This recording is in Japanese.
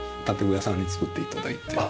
屋さんに作って頂いて。